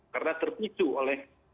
karena terpisuh oleh